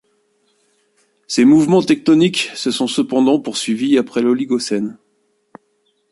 Ces mouvements tectoniques se sont cependant poursuivis après l’Oligocène.